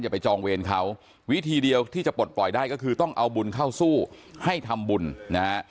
ไปจองเวรเขาวิธีเดียวที่จะปลดปล่อยได้ก็คือต้องเอาบุญเข้าสู้ให้ทำบุญนะฮะ